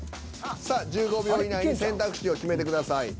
さあ１５秒以内に選択肢を決めてください。